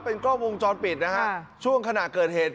เป็นกล้องวงจรปิดนะฮะช่วงขณะเกิดเหตุ